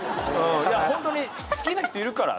いやほんとに好きな人いるから。